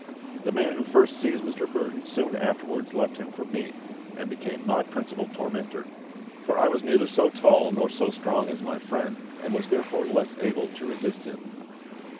The man who first seized Mr. Burdon soon afterwards left him for me, and became my principal tormentor; for I was neither so tall nor so strong as my friend, and was therefore less able to resist him.